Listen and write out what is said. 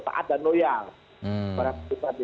taat dan loyal kepada